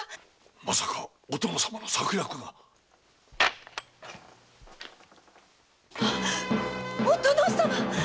まさかお殿様の策略が⁉お殿様！